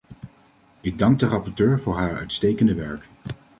Ik dank de rapporteur voor haar uitstekende werk.